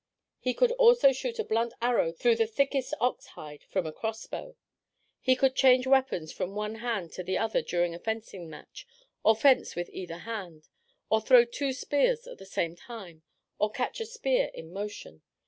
He could also shoot a blunt arrow through the thickest ox hide from a cross bow. He could change weapons from one hand to the other during a fencing match, or fence with either hand, or throw two spears at the same time, or catch a spear in motion.